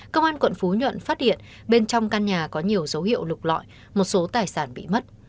công an quận phú nhuận phát hiện bên trong căn nhà có nhiều dấu hiệu lục lọi một số tài sản bị mất